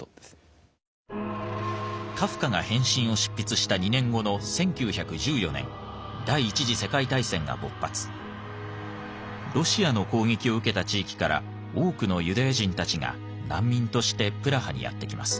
カフカが「変身」を執筆した２年後のロシアの攻撃を受けた地域から多くのユダヤ人たちが難民としてプラハにやって来ます。